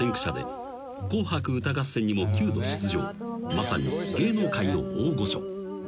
［まさに芸能界の大御所］